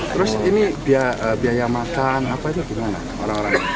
terus ini biaya makan apa itu